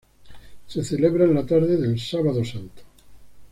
Se celebra en la tarde del Sábado Santo.